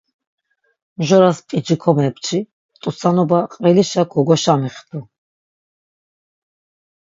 Mjoras p̆ici komepçi, t̆utsanoba qvilişa kogoşamixtu.